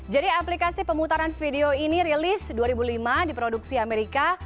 jadi aplikasi pemutaran video ini rilis dua ribu lima di produksi amerika